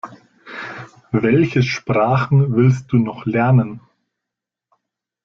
Welche Sprachen willst du noch lernen?